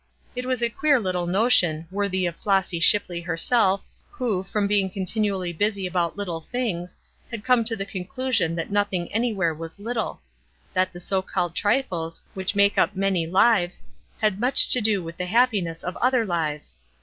It was a queer little notion, worthy of Flossy Shipley herself, who, from being continually busy about little things, had come to the conclusion that nothing anywhere was little; that the so called trifles, which make up many lives, had much to do with the happiness of other lives.